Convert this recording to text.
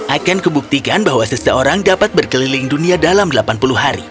akan kebuktikan bahwa seseorang dapat berkeliling dunia dalam delapan puluh hari